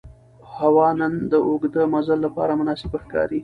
هوا نن د اوږده مزل لپاره مناسبه ښکاري